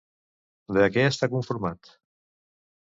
De què està conformat?